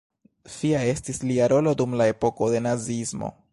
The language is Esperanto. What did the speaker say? Fia estis lia rolo dum la epoko de naziismo.